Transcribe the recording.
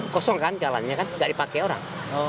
kosong kan jalannya kan nggak dipakai orang